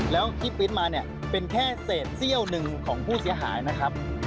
แล้วที่ปริ้นต์มาเนี่ยเป็นแค่เศษเซี่ยวหนึ่งของผู้เสียหายนะครับ